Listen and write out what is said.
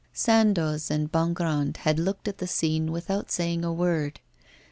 Sandoz and Bongrand had looked at the scene without saying a word.